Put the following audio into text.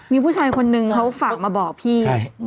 มีผู้ชายคนนึงเขาฝากมาบอกพี่